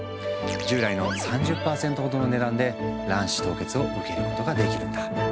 従来の３０％ほどの値段で卵子凍結を受けることができるんだ。